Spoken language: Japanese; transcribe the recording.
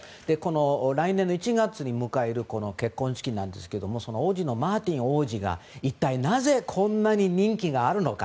来年１月に迎える結婚式なんですがマティーン王子がなぜこんなに人気があるのか。